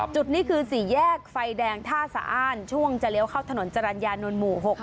จุดนี้คือสี่แยกไฟแดงท่าสะอ้านช่วงจะเลี้ยวเข้าถนนจรรยานนท์หมู่๖